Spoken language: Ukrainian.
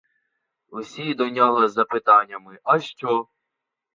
Усі до нього з запитами: а що?